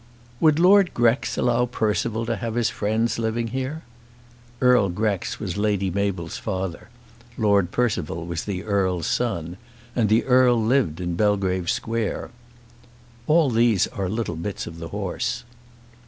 "Would Lord Grex allow Percival to have his friends living here?" Earl Grex was Lady Mabel's father, Lord Percival was the Earl's son; and the Earl lived in Belgrave Square. All these are little bits of the horse.